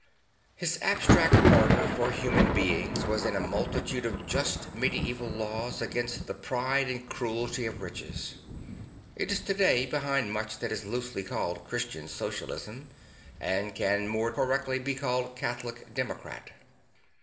His abstract ardour for human beings was in a multitude of just medieval laws against the pride and cruelty of riches; it is to day behind much that is loosely called Christian Socialist and can more correctly be called Catholic Democra 1.